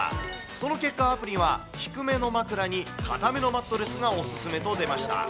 その結果、アプリは低めの枕に硬めのマットレスがお勧めと出ました。